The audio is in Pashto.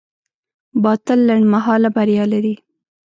باطل لنډمهاله بریا لري.